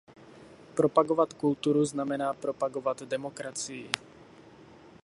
Propagovat kulturu znamená propagovat demokracii.